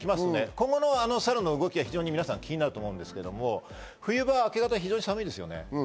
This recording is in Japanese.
今後のサルの動きが皆さん気になると思うんですけど、冬場、明け方、寒いですね。